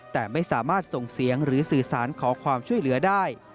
แต่ไม่สามารถส่งเสียงหรือสื่อสารขอความช่วยเหลือได้